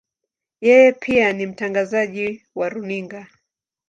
Yeye pia ni mtangazaji wa runinga.